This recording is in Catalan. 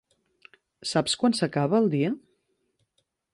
Saps quan s'acaba el dia?